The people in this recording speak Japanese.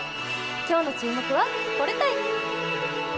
今日の注目は、これたい！